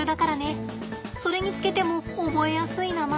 それにつけても覚えやすい名前だ。